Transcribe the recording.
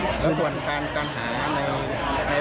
ตอนนี้ตรวจฯจะมาช่วยเราอีก๒หมวด